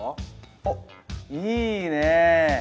おっいいね！